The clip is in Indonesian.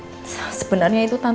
dia sedang lembur dan banyak kerjaannya